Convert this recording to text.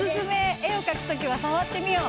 えを描くときはさわってみよう！